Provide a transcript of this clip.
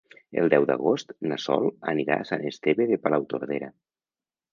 El deu d'agost na Sol anirà a Sant Esteve de Palautordera.